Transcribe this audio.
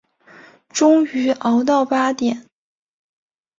终于熬到八点